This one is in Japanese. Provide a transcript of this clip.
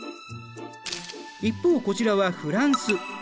一方こちらはフランス。